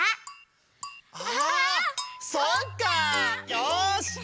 よし！